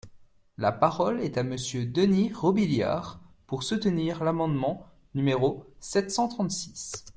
La parole est à Monsieur Denys Robiliard, pour soutenir l’amendement numéro sept cent trente-six.